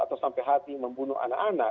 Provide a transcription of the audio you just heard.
atau sampai hati membunuh anak anak